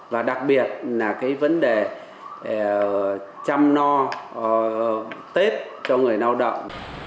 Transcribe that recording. và đặc biệt là cái vấn đề chăm no tết cho người lao động